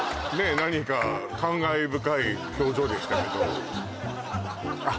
何か感慨深い表情でしたけどあっ